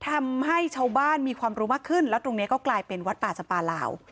ทำให้ชาวบ้านมีความรู้มากขึ้นแล้วตรงนี้ก็กลายเป็นวัดป่าสปาลาว